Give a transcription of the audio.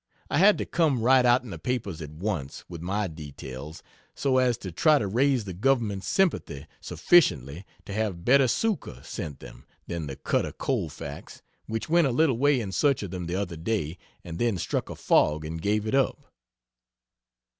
I had to come right out in the papers at once, with my details, so as to try to raise the government's sympathy sufficiently to have better succor sent them than the cutter Colfax, which went a little way in search of them the other day and then struck a fog and gave it up.